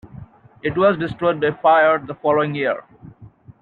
It was destroyed by fire the following year.